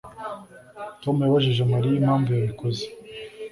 Tom yabajije Mariya impamvu yabikoze